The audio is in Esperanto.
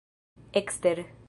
ekster